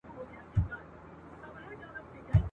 د ځوانۍ په خوب کي تللې وه نشه وه !.